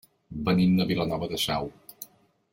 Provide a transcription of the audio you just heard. Venim de Vilanova de Sau.